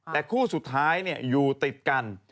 แต่คู่สุดท้ายอยู่ติดกัน